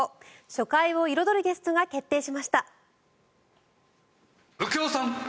初回を彩るゲストが決定しました。